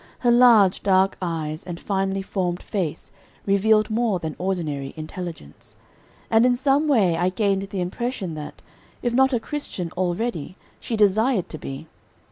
Her large, dark eyes and finely formed face revealed more than ordinary intelligence, and in some way I gained the impression that, if not a Christian already, she desired to be.